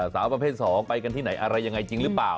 สาวประเภท๒ไปกันที่ไหนอะไรยังไงจริงหรือเปล่า